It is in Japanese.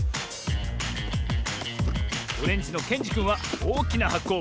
オレンジのけんじくんはおおきなはこをもってきたぞ。